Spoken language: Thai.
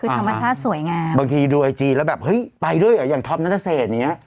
คือธรรมชาติสวยงามบางทีดูไอจีแล้วแบบเฮ้ยไปด้วยเหรออย่างท็อปนัทเศษอย่างเงี้ย